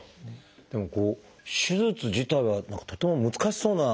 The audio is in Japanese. でも手術自体は何かとても難しそうな。